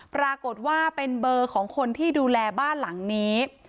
ปรากฏว่าเป็นเบอร์ของคนที่ดูแลบ้านหลังนี้